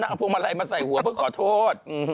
อ๋อนักภูมิอะไรมาใส่หัวเพื่อก็ขอโทษ